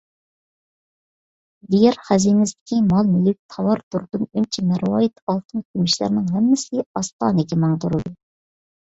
دىيار خەزىنىسىدىكى مال - مۈلۈك، تاۋار - دۇردۇن، ئۈنچە - مەرۋايىت، ئالتۇن - كۈمۈشلەرنىڭ ھەممىسى ئاستانىگە ماڭدۇرۇلدى.